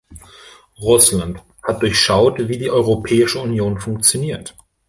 Russland hat durchschaut, wie die Europäische Union funktioniert.